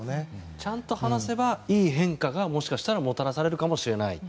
ちゃんと話せばいい変化がもしかしたらもたらされるかもしれない。